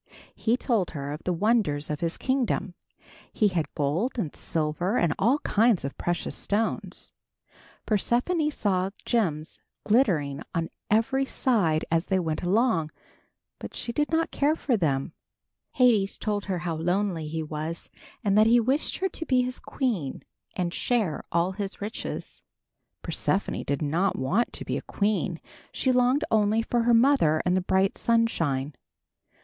He told her of the wonders of his kingdom. He had gold and silver and all kinds of precious stones. Persephone saw gems glittering on every side as they went along, but she did not care for them. Hades told her how lonely he was, and that he wished her to be his queen and share all his riches. Persephone did not want to be a queen. She longed only for her mother and the bright sunshine.